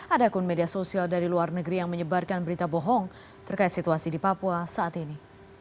ada akun media sosial dari luar negeri yang menyebarkan berita bohong terkait situasi di papua saat ini